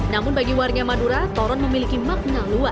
namun bagi warga madura toron memiliki makna luas